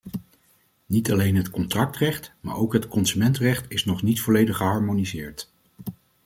Niet alleen het contractrecht, maar ook het consumentenrecht is nog niet volledig geharmoniseerd.